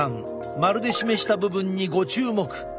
円で示した部分にご注目。